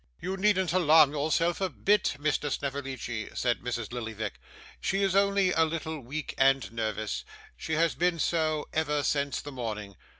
'You needn't alarm yourself a bit, Mr. Snevellicci,' said Mrs. Lillyvick. 'She is only a little weak and nervous; she has been so ever since the morning.